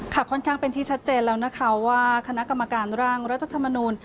ค่อนข้างเป็นที่ชัดเจนแล้วนะคะว่าคณะกรรมการร่างรัฐธรรมนูล